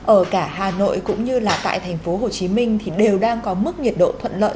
ở cả hà nội cũng như là tại thành phố hồ chí minh thì đều đang có mức nhiệt độ thuận lợi